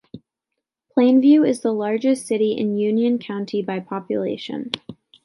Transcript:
Plainview is the largest city in Union County by population.